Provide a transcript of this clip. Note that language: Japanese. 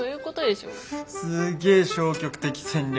すげえ消極的戦略。